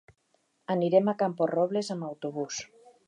Anirem a Camporrobles amb autobús.